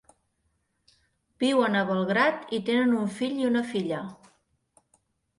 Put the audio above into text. Viuen a Belgrad i tenen un fill i una filla.